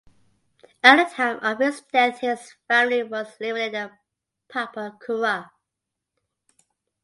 At the time of his death his family was living in Papakura.